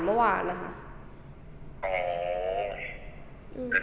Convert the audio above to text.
คุณพ่อได้จดหมายมาที่บ้าน